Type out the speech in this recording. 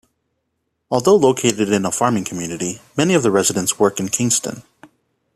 Although located in a farming community, many of the area residents work in Kingston.